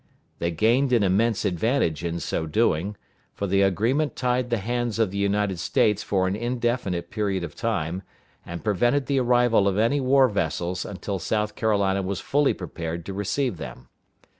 They gained an immense advantage in so doing; for the agreement tied the hands of the United States for an indefinite period of time, and prevented the arrival of any war vessels until South Carolina was fully prepared to receive them.